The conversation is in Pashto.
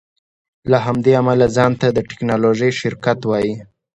له همدې امله ځان ته د ټیکنالوژۍ شرکت وایې